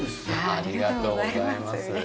ありがとうございます。